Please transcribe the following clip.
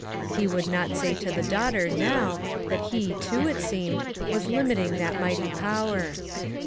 He would not say to the daughter, now, that he, too, it seemed, was limiting that mighty power.